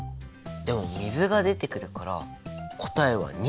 でも水が出てくるから答えは②？